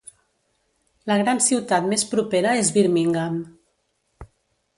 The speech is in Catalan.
La gran ciutat més propera és Birmingham.